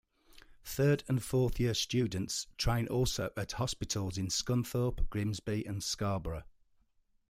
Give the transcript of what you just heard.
Third and fourth year students train also at hospitals in Scunthorpe, Grimsby, and Scarborough.